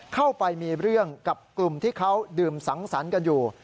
เข้าไปมีเรื่องกับกลุ่มที่เขาดื่มสังสรรค์กันอยู่